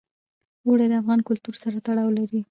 اوړي د افغان کلتور سره تړاو لري.